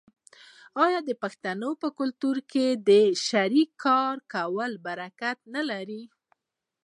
آیا د پښتنو په کلتور کې د شریک کار کول برکت نلري؟